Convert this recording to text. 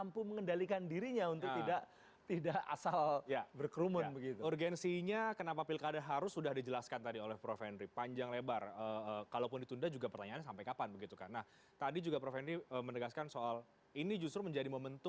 psikologi kita yang wah ini ada